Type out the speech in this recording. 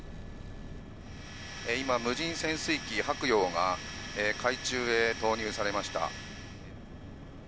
今、無人潜水機はくようが、海中へ投入されました。